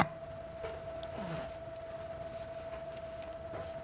ครับ